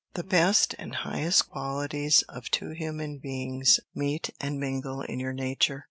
The best and highest qualities of two human beings meet and mingle in your nature.